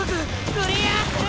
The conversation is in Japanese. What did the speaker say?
クリアする！